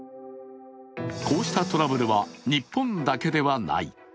こうしたトラブルは日本だけではない。